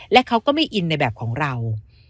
และเขาก็ไม่อินในแบบของเรา